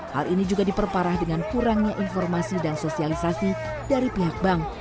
hal ini juga diperparah dengan kurangnya informasi dan sosialisasi dari pihak bank